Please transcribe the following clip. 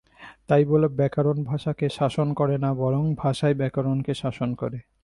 তাই বলে ব্যাকরণ ভাষাকে শাসন করে না, বরং ভাষাই ব্যাকরণকে শাসন করে।